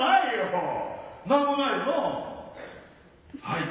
はい。